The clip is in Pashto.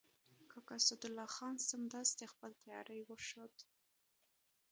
کاکا اسدالله خان سمدستي خپل تیاری وښود.